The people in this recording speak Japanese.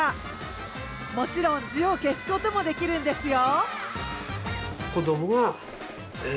もちろん字を消すこともできるんですよ。